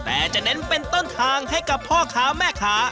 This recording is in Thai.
แต่จะเน้นเป็นต้นทางให้กับพ่อค้าแม่ค้า